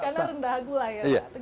karena rendah gula ya